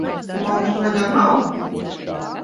Mums viņa nav.